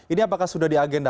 ini apakah sudah diagenda